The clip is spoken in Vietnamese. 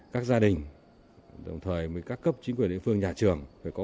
các gia đình đồng thời các cấp chính quyền địa phương nhà trường